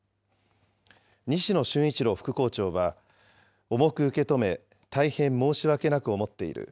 西野俊一郎副校長は、重く受け止め、大変申し訳なく思っている。